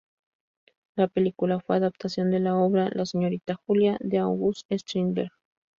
La película fue adaptación de la obra "La señorita Julia" de August Strindberg.